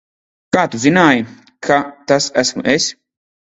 Kā tu zināji, ka tas esmu es?